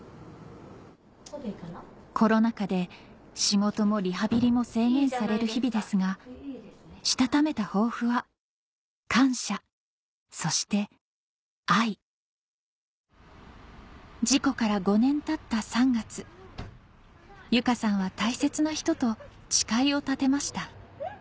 コロナ禍で仕事もリハビリも制限される日々ですがしたためた抱負は「感謝」そして「愛」事故から５年たった３月由佳さんは大切な人と誓いを立てました